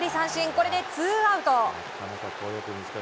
これでツーアウト。